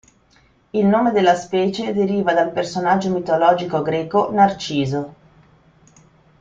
Il nome della specie deriva dal personaggio mitologico greco Narciso.